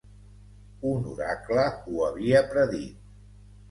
Un oracle ho havia predit.